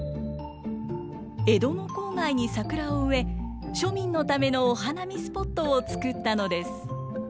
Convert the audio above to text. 江戸の郊外に桜を植え庶民のためのお花見スポットを作ったのです。